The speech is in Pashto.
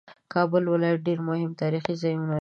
کابل ولایت ډېر مهم تاریخي ځایونه لري